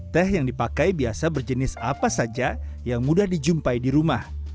teh yang dipakai biasa berjenis apa saja yang mudah dijumpai di rumah